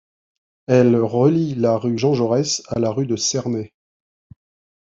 Elle relie la rue Jean-Jaurès à la rue de Cernay.